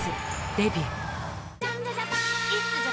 デビュー